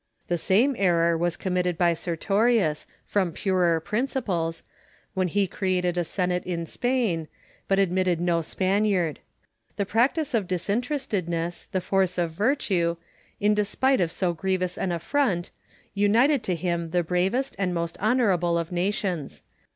The same eri'or was committed by Sertorius, from purer principles, when he created a Senate in Spain, but admitted no Spaniard. The practice of disinterestedness, the force of virtue, in despite of so gi'ievous an affront, united to him the bravest and most honourable of nations.